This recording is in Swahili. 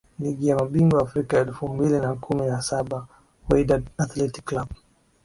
Ligi ya Mabingwa Afrika elfu mbili na kumi na saba Wydad Athletic Club